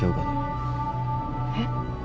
えっ？